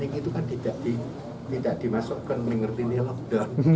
ini itu kan tidak dimasukkan mengerti lockdown